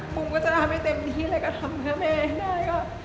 มุมก็จะทำให้เต็มที่แล้วก็ทำเพื่อแม่ให้ได้ค่ะ